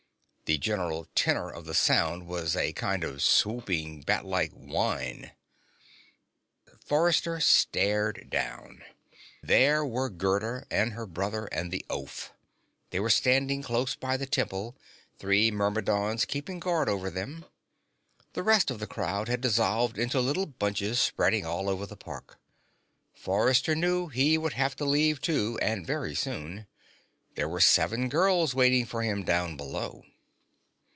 The general tenor of the sound was a kind of swooping, batlike whine. Forrester stared down. There were Gerda and her brother and the oaf. They were standing close by the Temple, three Myrmidons keeping guard over them. The rest of the crowd had dissolved into little bunches spreading all over the park. Forrester knew he would have to leave, too, and very soon. There were seven girls waiting for him down below.